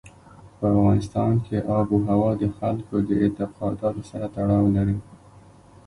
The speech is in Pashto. په افغانستان کې آب وهوا د خلکو د اعتقاداتو سره تړاو لري.